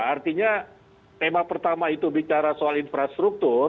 artinya tema pertama itu bicara soal infrastruktur